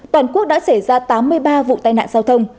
toàn quốc đã xảy ra tám mươi ba vụ tai nạn giao thông